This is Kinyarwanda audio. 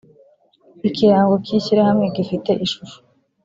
ikirango cy’ishyirahamwe gifite ishusho